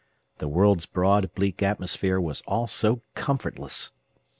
The world's broad, bleak atmosphere was all so comfortless!